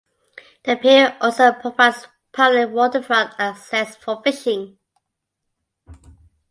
The pier also provides public waterfront access for fishing.